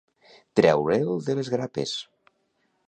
Treure'l de les grapes.